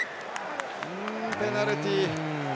ペナルティー！